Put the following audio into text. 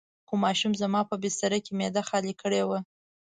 خو ماشوم زما په بستره کې معده خالي کړې وه.